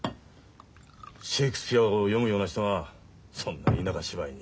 シェークスピアを読むような人がそんな田舎芝居に。